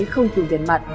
không dùng tiền mặt